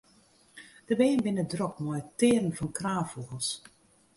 De bern binne drok mei it tearen fan kraanfûgels.